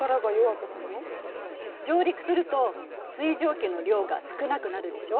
上陸すると水蒸気の量が少なくなるでしょ。